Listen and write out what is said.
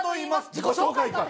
自己紹介かい！